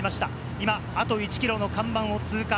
今、あと１ｋｍの看板を通過。